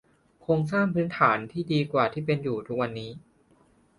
โครงสร้างพื้นฐานที่ดีกว่าที่เป็นอยู่ทุกวันนี้